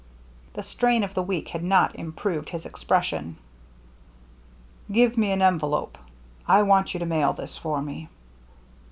The strain of the week had not improved his expression. "Give me an envelope; I want you to mail this for me."